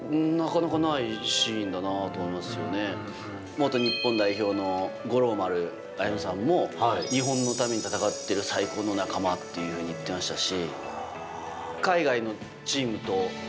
元日本代表の五郎丸歩さんも日本のために戦っている最高の仲間というふうに言ってましたし。